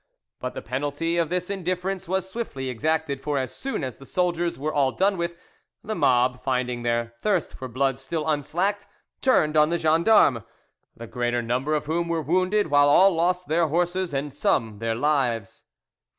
But the penalty of this indifference was swiftly exacted, for as soon as the soldiers were all done with, the mob, finding their thirst for blood still unslacked, turned on the gendarmes, the greater number of whom were wounded, while all lost their horses, and some their lives.